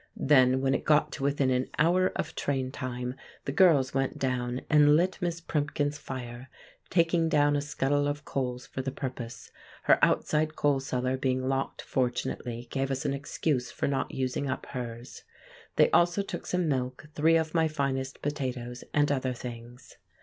Then when it got to within an hour of train time, the girls went down and lit Miss Primkins' fire, taking down a scuttle of coals for the purpose; her outside coal cellar being locked fortunately gave us an excuse for not using up hers. They also took some milk, three of my finest potatoes, and other things.